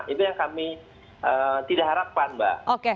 itu yang kami tidak harapkan mbak